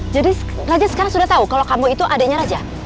jadi raja sekarang sudah tahu kalau kamu itu adiknya raja